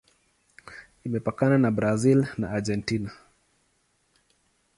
Imepakana na Brazil na Argentina.